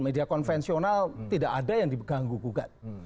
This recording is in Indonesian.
media konvensional tidak ada yang diganggu gugat